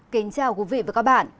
kính chào quý vị và các bạn